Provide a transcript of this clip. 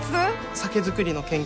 酒造りの研究